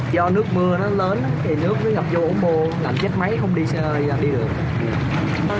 do nước mưa nó lớn thì nước mới ngập vô ổn bộ làm chết máy không đi xe làm đi đường